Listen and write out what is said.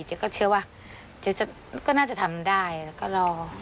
เจ้าก็เชื่อว่าก็น่าจะทำได้แล้วก็รอ